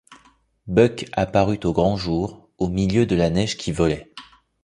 Buck apparut au grand jour, au milieu de la neige qui volait.